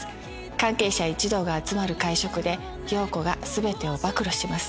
関係者一同が集まる会食で陽子が全てを暴露します。